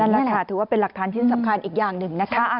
นั่นแหละค่ะถือว่าเป็นหลักฐานชิ้นสำคัญอีกอย่างหนึ่งนะคะ